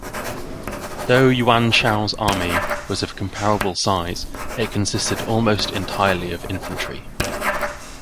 Though Yuan Shao's army was of comparable size, it consisted almost entirely of infantry.